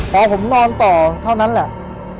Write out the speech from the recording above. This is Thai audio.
พอผมนอนต่อเท่านั้นแหละ